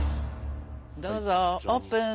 どうぞオープン！